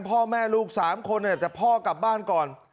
พ่อแม่ลูกสามคนเนี่ยแต่พ่อกลับบ้านก่อน